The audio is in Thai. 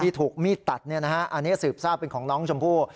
ถูกมีดตัดอันนี้สืบทราบเป็นของน้องชมพู่